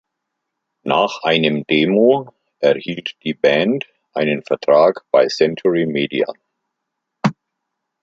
Nach einem Demo erhielt die Band einen Vertrag bei Century Media.